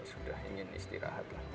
sudah ingin istirahat